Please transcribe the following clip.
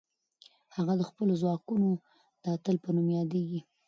هغه د خپلو ځواکونو د اتل په نوم یادېږي.